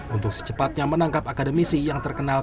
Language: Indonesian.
untuk secepatnya menangkap akademisi yang terkenal